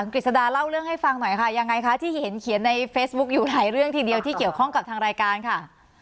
กฤษฎาเล่าเรื่องให้ฟังหน่อยค่ะยังไงคะที่เห็นเขียนในเฟซบุ๊คอยู่หลายเรื่องทีเดียวที่เกี่ยวข้องกับทางรายการค่ะ